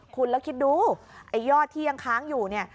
คุณแล้วคิดดูไอ้ยอดที่ยังค้างอยู่เนี่ย